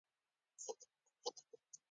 دولتي کارکوونکي په مسلکي ډول وروزل شي.